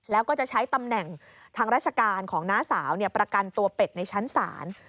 แล้วก็จะใช้ตำแหน่งทางราชการของน้าสาวประกันตัวเป็ดในชั้นศาล